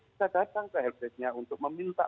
bisa datang ke health testnya untuk meminta